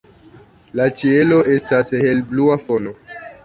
La ĉielo estas helblua fono.